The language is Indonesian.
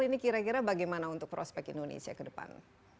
ini kira kira bagaimana untuk prospek indonesia ke depan